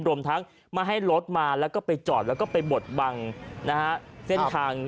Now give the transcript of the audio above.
รวมทั้งมาให้รถมาแล้วก็ไปจอดแล้วก็ไปบดบังนะฮะเส้นทาง